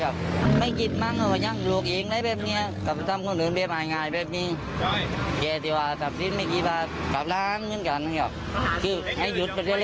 บ๊ายหย้ายตำไอ้ตายเลย